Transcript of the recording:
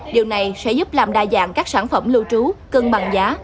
điều này sẽ giúp làm đa dạng các sản phẩm lưu trú cân bằng giá